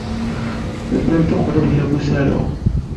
Ddant uqbel ad ifak usaru.